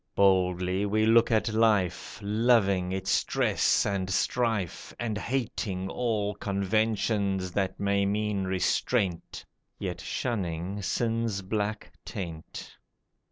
Boldly we look at life, Loving its stress and strife, And hating all conventions that may mean restraint, Yet shunning sin's black taint.